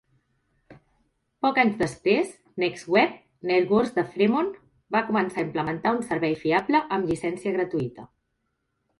Pocs anys després, NextWeb Networks de Fremont va començar a implementar un servei fiable amb llicència gratuïta.